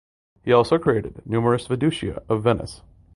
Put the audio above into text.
He also created numerous vedute of Venice.